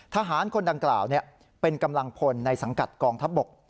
ทหารคนดังกล่าวเป็นกำลังพลในสังกัดกองทัพบก